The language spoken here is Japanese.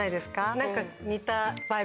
何か似た。